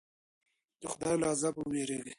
د خدای له عذابه وویریږئ.